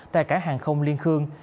tại cả hàng không liên khương